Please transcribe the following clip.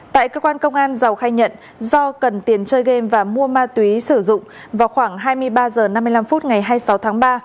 tại cơ quan công an giàu khai nhận do cần tiền chơi game và mua ma túy sử dụng vào khoảng hai mươi ba h năm mươi năm phút ngày hai mươi sáu tháng ba